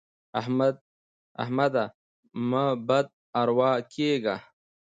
احمده مه بد اروا کېږه.